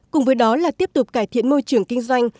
cùng với đó là tiếp tục cải thiện môi trường kinh doanh